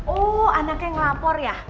oh anaknya ngelapor ya